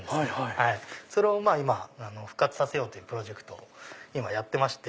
それを復活させようというプロジェクトを今やってまして。